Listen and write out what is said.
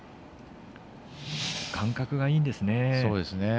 感覚がいいんですね。